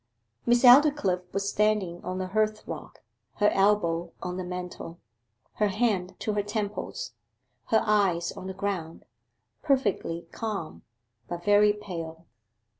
Miss Aldclyffe was standing on the hearthrug, her elbow on the mantel, her hand to her temples, her eyes on the ground; perfectly calm, but very pale.